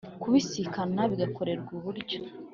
Kubisikana bigakorerwa iburyo